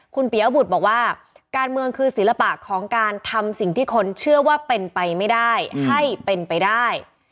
คุณเปียบุตรบอกว่าการเมืองคือศิลปะของการทำสิ่งที่คนเชื่อว่าเป็นไปไม่ได้ให้เป็นไปได้